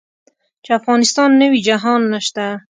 چې افغانستان نه وي جهان نشته.